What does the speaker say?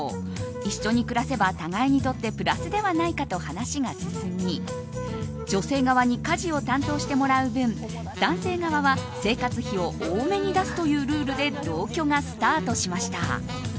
一緒に暮らせば互いにプラスではないかと話が進み女性側に家事を担当してもらう分男性側は生活費を多めに出すというルールで同居がスタートしました。